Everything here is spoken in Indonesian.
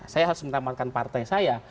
saya harus menamankan partai saya